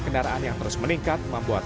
kendaraan yang terus meningkat membuat